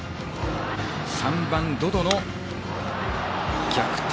３番、百々の逆転